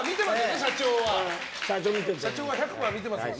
社長は１００％見てますからね。